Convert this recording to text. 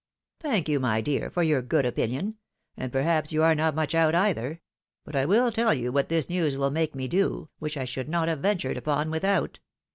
" Thank you, my dear, for your good opinion ; and, per haps, you are not much out either. But I will tell you what this news will make me do, which I should not have ventured upon without.